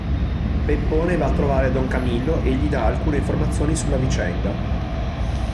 Peppone va a trovare Don Camillo e gli dà alcune informazioni sulla vicenda.